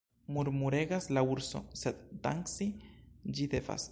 Murmuregas la urso, sed danci ĝi devas.